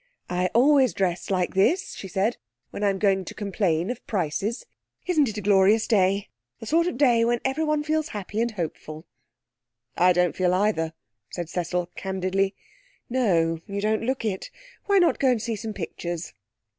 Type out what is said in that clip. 'I always dress like this,' she said, 'when I'm going to complain of prices. Isn't it a glorious day? The sort of day when everyone feels happy and hopeful.' 'I don't feel either,' said Cecil candidly. 'No, you don't look it. Why not go and see some pictures?'